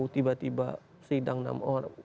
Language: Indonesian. tiba tiba sidang enam orang